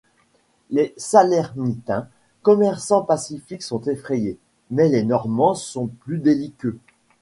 Les Salernitains commerçants pacifiques sont effrayés, mais les Normands sont plus belliqueux.